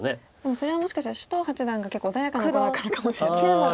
それはもしかしたら首藤八段が結構穏やかな碁だからかもしれません。